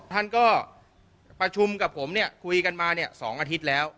ท่านก็ประชุมกับผมเนี่ยคุยกันมาเนี่ย๒อาทิตย์แล้ว